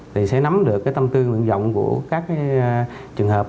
thì sẽ nắm được cái tâm tư nguyện rộng của các cái trường hợp